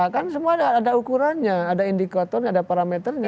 kan semua ada ukurannya ada indikatornya ada parameternya